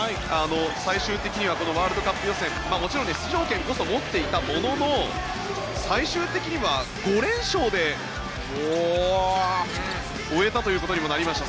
最終的にはワールドカップ予選もちろん出場権こそ持っていたものの最終的には５連勝で終えたということにもなりました。